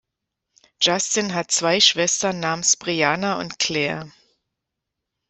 Justin hat zwei Schwestern namens Brianna und Claire.